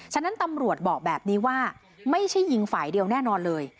ฉะนั้นตำรวจบอกแบบนี้ว่าไม่ใช่ยิงฝ่ายเดียวแน่นอนเลย